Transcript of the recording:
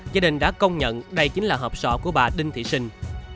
gia đình đã công nhận đây chính là hợp sỏ của bà đinh thị sinh